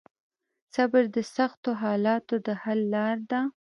صبر د سختو حالاتو د حل لار ده.